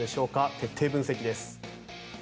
徹底分析です。